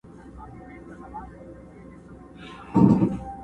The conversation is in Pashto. يو په يو به حقيقت بيانومه.!